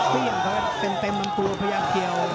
ไม่อย่างเต็มมันตัวพยายามเกี่ยว